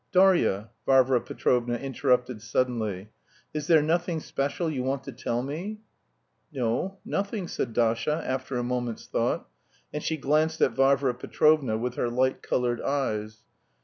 "Darya!" Varvara Petrovna interrupted suddenly, "is there nothing special you want to tell me?" "No, nothing," said Dasha, after a moment's thought, and she glanced at Varvara Petrovna with her light coloured eyes.